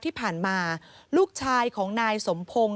ที่มันก็มีเรื่องที่ดิน